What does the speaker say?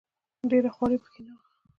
ډېره خواري په کې نه وه.